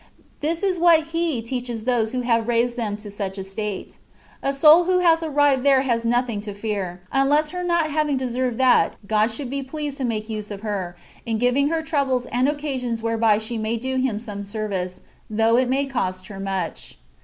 This is what He teaches those who have raised them to such a state. A soul who has arrived there has nothing to fear, unless her not having deserved that God should be pleased to make use of her^ in giving her troubles and occasions whereby she may do Him some service, though it may cost her much.